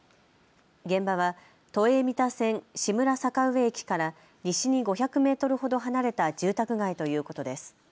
現場は都営三田線志村坂上駅から西に５００メートルほど離れた住宅街ということです。